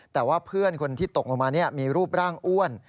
แต่ว่าเพื่อนคนที่ตกลงมามีรูปร่างอ้วน